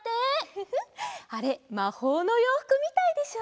フフッあれまほうのようふくみたいでしょ？